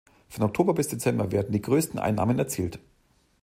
Von Oktober bis Dezember werden die größten Einnahmen erzielt.